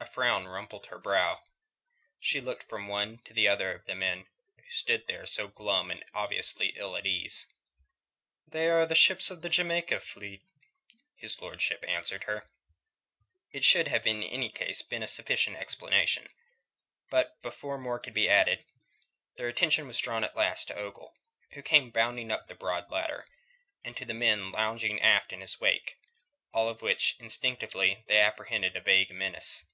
A frown rumpled her brow. She looked from one to the other of the men who stood there so glum and obviously ill at ease. "They are ships of the Jamaica fleet," his lordship answered her. It should in any case have been a sufficient explanation. But before more could be added, their attention was drawn at last to Ogle, who came bounding up the broad ladder, and to the men lounging aft in his wake, in all of which, instinctively, they apprehended a vague menace.